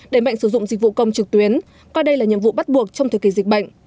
đẩy mạnh sử dụng dịch vụ công trực tuyến coi đây là nhiệm vụ bắt buộc trong thời kỳ dịch bệnh